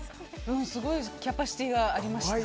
すごいキャパシティーがありました。